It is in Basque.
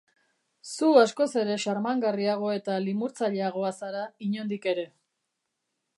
Zu askoz ere xarmangarriago eta limurtzaileagoa zara inondik ere.